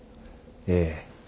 ええ。